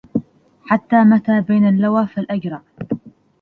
حتى متى بين اللوى فالأجرع